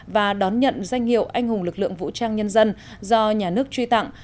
và đón nhận danh hiệu anh hùng lực lượng vũ trang nhân dân do nhà nước truy tặng